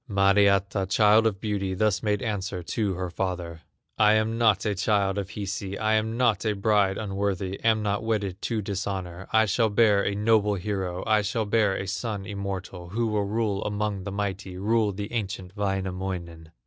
Mariatta, child of beauty, Thus made answer to her father: "I am not a child of Hisi, I am not a bride unworthy, Am not wedded to dishonor; I shall bear a noble hero, I shall bear a son immortal, Who will rule among the mighty, Rule the ancient Wainamoinen."